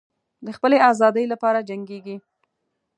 د خپلې آزادۍ لپاره جنګیږي.